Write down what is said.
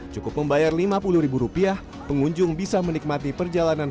cukup membayar lima puluh ribu rupiah pengunjung bisa menikmati perjalanan